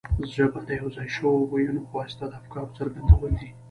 ژبه د یو ځای شویو وییونو په واسطه د افکارو څرګندول دي.